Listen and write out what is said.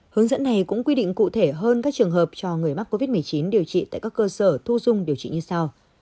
hướng dẫn này cũng quy định cụ thể hơn các trường hợp cho người mắc covid một mươi chín điều trị tại các cơ sở thu dung điều trị như sau